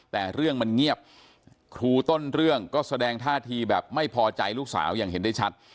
แต่เรื่องมันเงียบครูต้นเรื่องก็แสดงท่าทีแบบไม่พอใจลูกสาวอย่างเห็นได้ชัด